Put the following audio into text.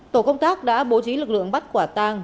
tổ công tác đã bố trí lực lượng bắt quả tang